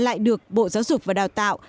mà lại được bộ giáo dục và đào tạo